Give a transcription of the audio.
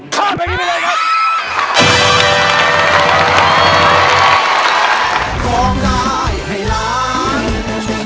ข้ามเพลงนี้ไปเลยครับ